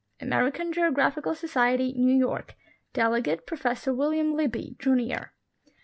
American Geographical Society (New York) ; delegate, Pro fessor William Libbey, Junior.